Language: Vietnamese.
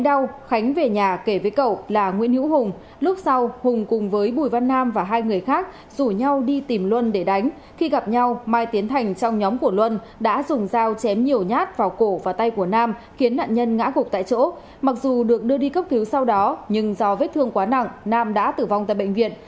dù được đưa đi cấp thiếu sau đó nhưng do vết thương quá nặng nam đã tử vong tại bệnh viện